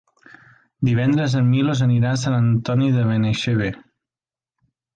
Divendres en Milos anirà a Sant Antoni de Benaixeve.